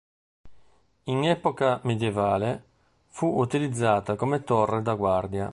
In epoca medievale fu utilizzata come torre da guardia.